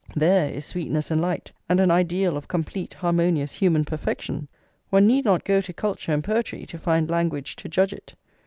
There is sweetness and light, and an ideal of complete harmonious human perfection! One need not go to culture and poetry to find language to judge it.